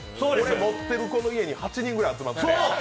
持ってる子の家に８人ぐらい集まって。